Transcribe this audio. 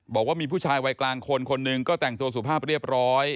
บอกว่ามีผู้ชายวัยกลางคนคนหนึ่งก็แต่งตัวสุภาพเรียบร้อย